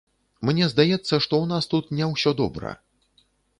Мне здаецца, што ў нас тут не ўсё добра.